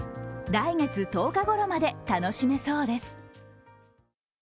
来月１０日ごろまで楽しめそうです。